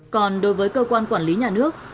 còn đối với cơ quan quản lý nhà nước